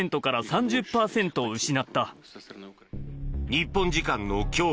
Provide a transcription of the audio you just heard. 日本時間の今日